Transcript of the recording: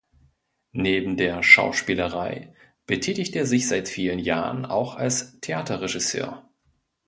Neben der Schauspielerei betätigt er sich seit vielen Jahren auch als Theaterregisseur.